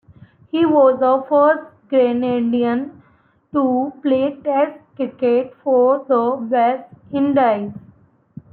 He was the first Grenadian to play Test cricket for the West Indies.